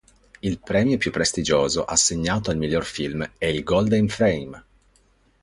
Il premio più prestigioso, assegnato al miglior film, è il "Golden Frame".